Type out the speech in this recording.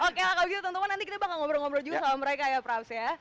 oke lah kalau gitu teman teman nanti kita bakal ngobrol ngobrol juga sama mereka ya praps ya